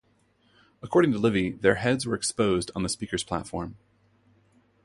According to Livy, their heads were exposed on the speaker's platform.